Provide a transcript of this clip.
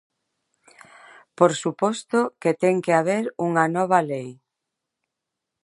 Por suposto que ten que haber unha nova lei.